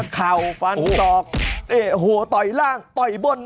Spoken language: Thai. เข่าฟันสอกโหต่อยล่างต่อยบ้น